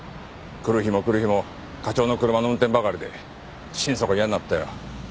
来る日も来る日も課長の車の運転ばかりで心底嫌になったよ。